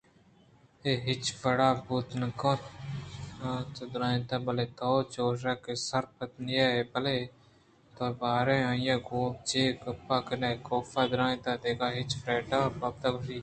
اے ہچ وڑا بوت نہ کنتبانک ءَ درّائینت بلئے تو چوش کہ سر پدنہ بئے بلئے تو باریں آئیءَ گوں چے گپ کنئے ؟کاف ءَدرّائینت ! دگہ چے ؟ فریڈا ء ِبابت ءَگوشگی اِنت